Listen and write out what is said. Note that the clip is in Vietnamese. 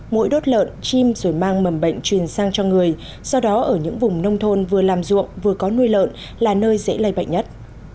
mũi đốt lợn chim rồi mang mầm bệnh truyền sang cho người do đó ở những vùng nông thôn vừa làm ruộng vừa có nuôi lợn là nơi dễ lây bệnh nhất